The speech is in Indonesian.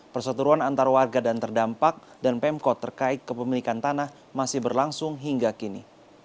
perseturuan antar warga dan terdampak dan pemkot terkait kepemilikan tanah masih berlangsung hingga kini